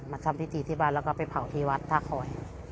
ทำพิธีที่บ้านแล้วก็ไปเผาที่วัดท่าคอย